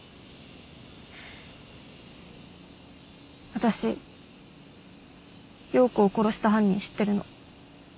私葉子を殺した犯人知ってるの。